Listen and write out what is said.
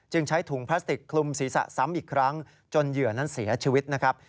ใช้ถุงพลาสติกคลุมศีรษะซ้ำอีกครั้งจนเหยื่อนั้นเสียชีวิตนะครับ